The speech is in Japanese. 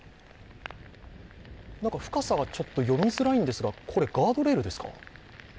深さがちょっと読みづらいんですが、これはガードレールですか？